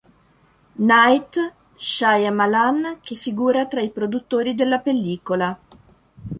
Night Shyamalan, che figura tra i produttori della pellicola.